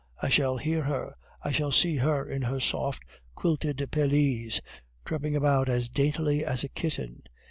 I shall hear her, I shall see her in her soft quilted pelisse tripping about as daintily as a kitten.